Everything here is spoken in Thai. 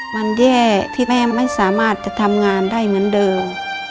มันแย่ที่แม่ไม่สามารถจะทำงานได้เหมือนเดิม